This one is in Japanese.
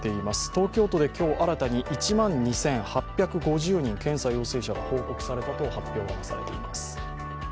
東京都で今日新たに１万２８５０人、検査陽性者が報告されたと発表されました。